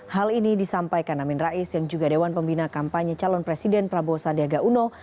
hal ini disampaikan amin rais yang juga dewan pembina kampanye calon presiden prabowo sandiaga uno